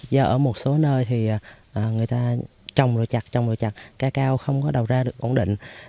do ở một số nơi thì người ta trồng rồi chặt trồng rồi chặt cây cao không có đầu ra được ổn định